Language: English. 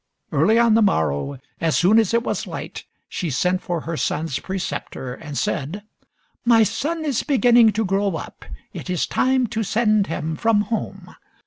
Early on the morrow, as soon as it was light, she sent for her son's preceptor, and said "My son is beginning to grow up, it is time to send him from home.